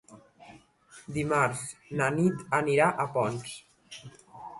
Dimarts na Nit anirà a Ponts.